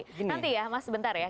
nanti ya mas sebentar ya